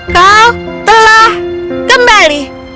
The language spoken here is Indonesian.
kau telah kembali